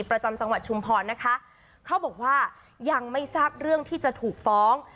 ประจำจังหวัดชุมพรนะคะเขาบอกว่ายังไม่ทราบเรื่องที่จะถูกฟ้อง